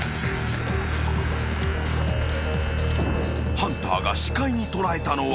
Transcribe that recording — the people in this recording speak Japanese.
［ハンターが視界に捉えたのは］